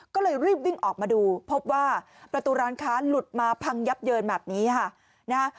ก็เลยรีบวิ่งออกมาดูพบว่าประตูร้านค้าหลุดมาพังยับเยินแบบนี้ค่ะนะฮะ